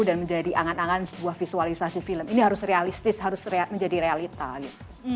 dan menjadi angan angan sebuah visualisasi film ini harus realistis harus menjadi realita gitu